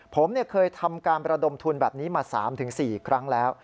ผมเคยทำการประดมทุนแบบนี้มา๓๔ครั้งแล้ว